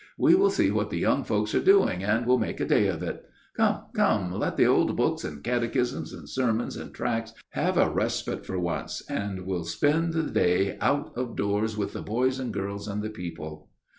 We will see what the young folks are doing, and will make a day of it. Come! come! let the old books, and catechisms, and sermons, and tracts have a respite for once, and we'll spend the day out of doors, with the boys and girls and the people."